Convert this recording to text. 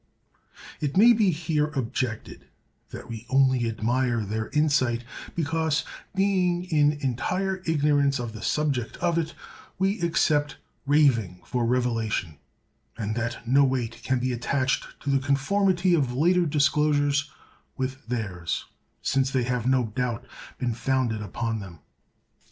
It may be here objected, that we only admire their insight, because, being in entire ignorance of the subject of it, we accept raving for revelation; and that no weight can be attached to the conformity of later disclosures with theirs, since they have no doubt been founded upon them.